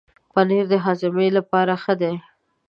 پنېر د هاضمې لپاره ښه دی.